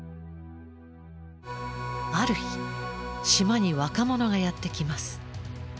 ある日島に若者がやって来ます。